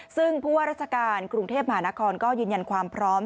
ซึ่งผู้ว่าราชการกรุงเทพมหานครก็ยืนยันความพร้อม